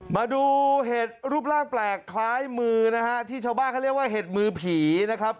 มาดูเห็ดรูปร่างแปลกคล้ายมือนะฮะที่ชาวบ้านเขาเรียกว่าเห็ดมือผีนะครับ